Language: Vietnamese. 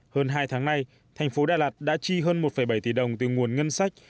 hơn hai tháng nay thành phố đà lạt đã chi hơn một bảy tỷ đồng từ nguồn ngân sách